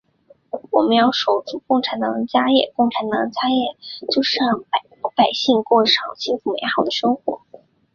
我们要守住共产党的家业，共产党的家业就是让老百姓过上幸福美好的生活。